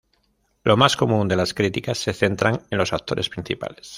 Lo más común de las críticas se centran en los actores principales.